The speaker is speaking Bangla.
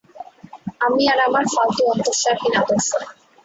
আমি আর আমার ফালতু অন্তস্বারহীন আদর্শ।